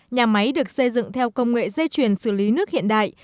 nhà máy được xây dựng theo công nghệ dây chuyền xử lý nước hiện đại